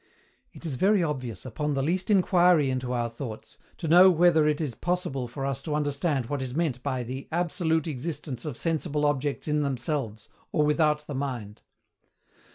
It is very obvious, upon the least inquiry into our thoughts, to know whether it is possible for us to understand what is meant by the ABSOLUTE EXISTENCE OF SENSIBLE OBJECTS IN THEMSELVES, OR WITHOUT THE MIND.